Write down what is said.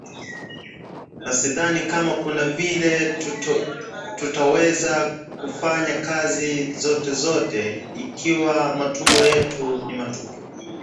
na sidhani kama kuna vile tutaweza kufanya kazi zote zote ikiwa matumbo yetu ni matupu